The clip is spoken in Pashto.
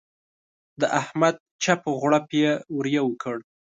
د احمد چپ و غړوپ يې ور یو کړ.